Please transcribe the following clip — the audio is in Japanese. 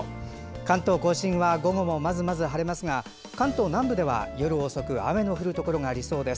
関東・甲信は午後もまずまず晴れますが関東南部では夜遅く雨の降るところがありそうです。